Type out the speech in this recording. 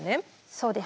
そうです。